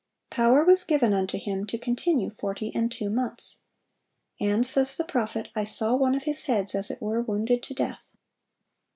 "Power was given unto him to continue forty and two months." And, says the prophet, "I saw one of his heads as it were wounded to death."